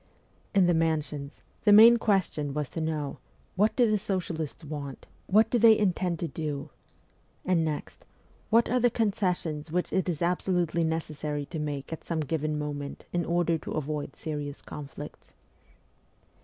In the mansions, the main question was to know, ' What do the socialists want ? What do they intend to do ?' and next, ' What are the concessions which it is absolutely necessary to make at some given moment in order to avoid serious conflicts